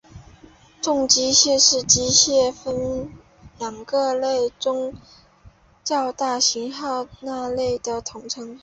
重机枪是机枪的两个分类中较大型号那类的统称。